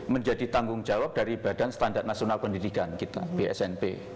menjadi tanggung jawab dari badan standar nasional pendidikan kita bsnp